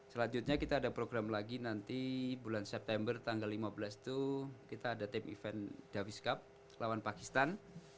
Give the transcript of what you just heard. selanjutnya kita ada program lagi nanti bulan september tanggal lima belas itu kita ada tim event davis cup lawan pakistan